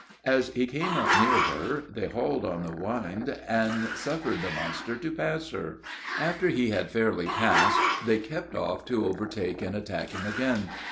As he came up near her, they hauled on the wind, and suffered the monster to pass her. After he had fairly passed, they kept off to overtake and attack him again.